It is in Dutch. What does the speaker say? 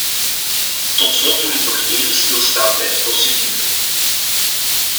Tot slot wil ik nog even stilstaan bij de procedure.